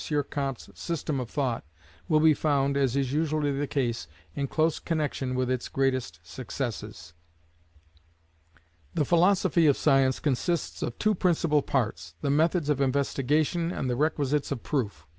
Comte's system of thought will be found, as is usually the case, in close connexion with its greatest successes. The philosophy of Science consists of two principal parts; the methods of investigation, and the requisites of proof.